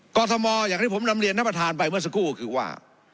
กรทมอย่างที่ผมนำเรียนท่านประธานไปเมื่อสักครู่ก็คือว่า